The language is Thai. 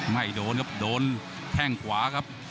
ไม่โดนครับโดนแข้งขวาครับ